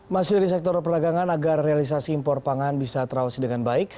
masih dari sektor perdagangan agar realisasi impor pangan bisa terawasi dengan baik